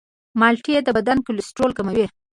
مالټې د بدن کلسترول کموي.